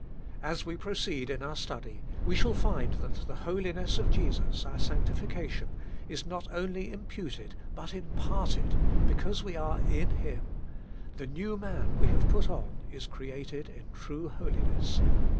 As we proceed in our study, we shall find that the holiness of Jesus our sancti fication is not only imputed but imparted, because we are in Him ; the new man we have put on is created in true holiness.